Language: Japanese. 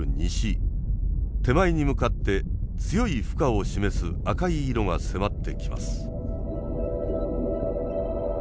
手前に向かって強い負荷を示す赤い色が迫ってきます。